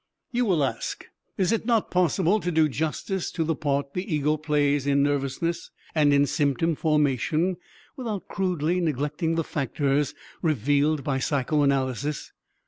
You will ask: Is it not possible to do justice to the part the ego plays in nervousness and in symptom formation without crudely neglecting the factors revealed by psychoanalysis?